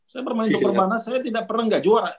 saya pernah main di perbanah saya tidak pernah nggak juara